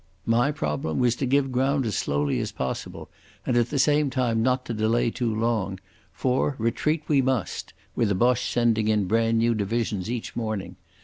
My problem was to give ground as slowly as possible and at the same time not to delay too long, for retreat we must, with the Boche sending in brand new divisions each morning.